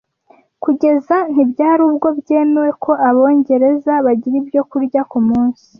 kugeza ntibyari ubwo byemewe ko abongereza bagira ibyo kurya kumunsi